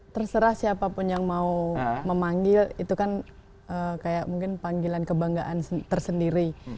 terserah siapapun yang mau memanggil itu kan kayak mungkin panggilan kebanggaan tersendiri